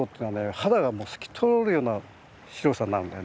肌がもう透き通るような白さになるんだよね。